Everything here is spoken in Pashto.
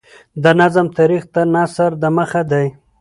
د نظم تاریخ تر نثر دمخه دﺉ.